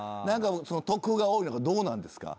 得が多いのかどうなんですか？